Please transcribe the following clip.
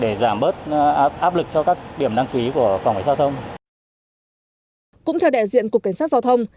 để giảm bớt áp lực cho các điểm đăng ký của phòng cảnh giao thông cũng theo đại diện cục cảnh sát giao thông